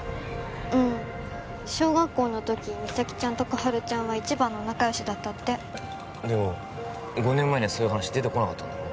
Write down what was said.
うん小学校の時実咲ちゃんと心春ちゃんは一番の仲よしだったってでも５年前にはそういう話出てこなかったんだろ？